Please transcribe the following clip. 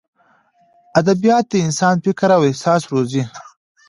ادبیات د انسان فکر او احساس روزي.